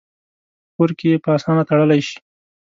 په کور کې یې په آسانه تړلی شي.